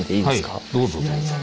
はいどうぞどうぞ。